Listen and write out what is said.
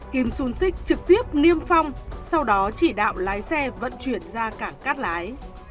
kim xuân xích trực tiếp niêm phong sau đó chỉ đạo lái xe vận chuyển ra cảng cắt lái